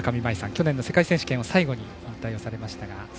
去年の世界選手権を最後に引退されました。